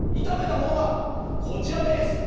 炒めたものがこちらです。